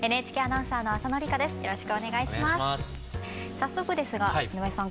早速ですが井上さん